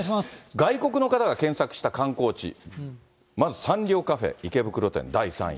外国の方が検索した観光地、まずサンリオカフェ池袋店、第３位。